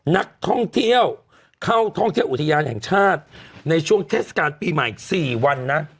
นักท่องเที่ยวเข้าท่องเที่ยวอุทยานแห่งชาติในช่วงเทศกาลปีใหม่๔วันนะ